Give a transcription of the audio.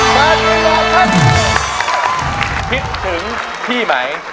คิดถึงพี่ไหม